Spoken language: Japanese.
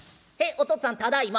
お父っつぁんただいま」。